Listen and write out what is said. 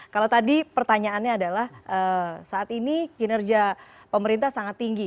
kalau tadi pertanyaannya adalah saat ini kinerja pemerintah sangat tinggi